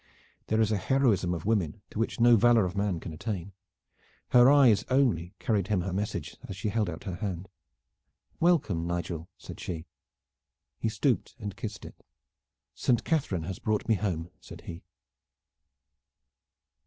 There is a heroism of women to which no valor of man can attain. Her eyes only carried him her message as she held out her hand. "Welcome, Nigel!" said she. He stooped and kissed it. "Saint Catharine has brought me home," said he.